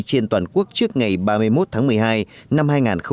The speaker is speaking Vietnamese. trên toàn quốc trước ngày ba mươi một tháng một mươi hai năm hai nghìn một mươi sáu